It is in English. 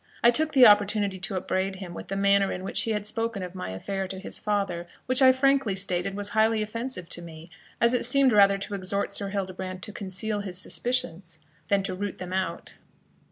I took the opportunity to upbraid him with the manner in which he had spoken of my affair to his father, which I frankly stated was highly offensive to me, as it seemed rather to exhort Sir Hildebrand to conceal his suspicions, than to root them out.